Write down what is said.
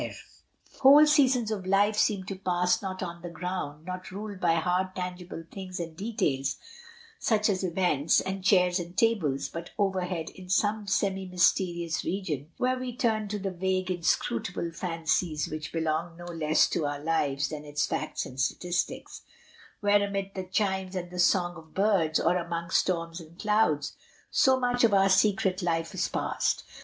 152 MRS. DYMOND. Whole seasons of life seem to pass not on the ground, not ruled by hard tangible things and details, such as events, and chairs and tables, but overhead in some semi mysterious region, where we turn to the vague inscrutable fancies which belong no less to our lives than its facts and statistics; where amid the chimes and the song of birds, or among storais and clouds, so much of our secret life is passed.